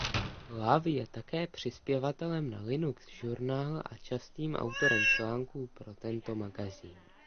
Love je také přispěvatelem na Linux Journal a častým autorem článků pro tento magazín.